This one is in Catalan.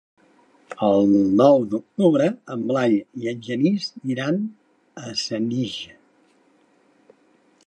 El nou d'octubre en Blai i en Genís iran a Senija.